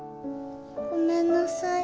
ごめんなさい。